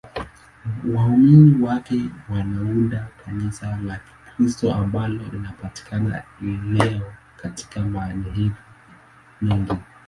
Waumini wake wanaunda Kanisa la Kikristo ambalo linapatikana leo katika madhehebu mengi.